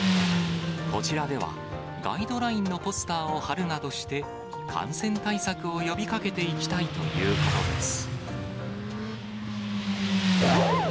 こちらでは、ガイドラインのポスターを貼るなどして、感染対策を呼びかけていきたいということです。